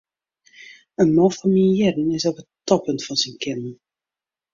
In man fan myn jierren is op it toppunt fan syn kinnen.